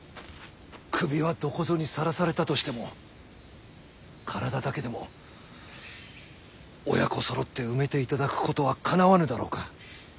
首はどこぞにさらされたとしても体だけでも親子そろって埋めていただくことはかなわぬだろうか。